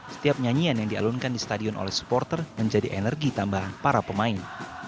setiap nyanyian yang dialunkan di stadion oleh supporter menjadi energi tambahan para pemain